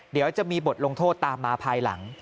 เดี๋ยวจะมีบทลงโทษตามมาภายหลัง